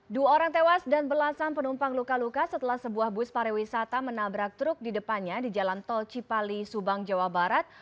dua orang tewas dan belasan penumpang luka luka setelah sebuah bus pariwisata menabrak truk di depannya di jalan tol cipali subang jawa barat